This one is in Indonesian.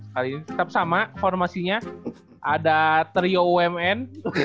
kali ini tetap sama formasinya ada trio umn